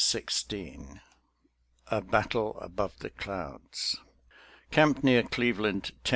XVI a battle "above the clouds" Camp neae Cleveland, Tenn.